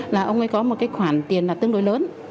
là ông ấy có một cái khoản tiền là tương đối lớn